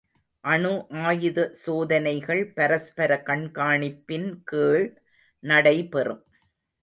அணு ஆயுத சோதனைகள் பரஸ்பர கண்காணிப்பின் கீழ் நடைபெறும்.